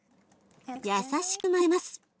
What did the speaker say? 優しく混ぜます。